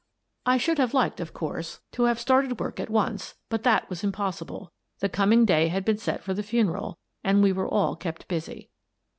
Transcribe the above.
I should have liked, of course, to have started 190 Miss Frances Baird, Detective work at once, but that was impossible. The com ing day had been set for the funeral, and we were all kept busy.